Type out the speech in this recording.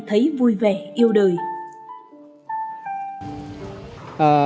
thấy vui vẻ yêu đời